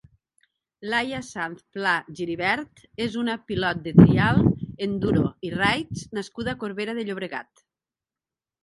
Laia Sanz Pla-Giribert és una pilot de trial, enduro i raids nascuda a Corbera de Llobregat.